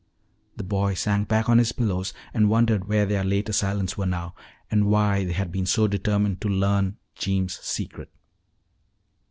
The boy sank back on his pillows and wondered where their late assailants were now, and why they had been so determined to learn Jeems' secret.